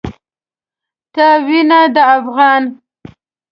ته وينه د افغان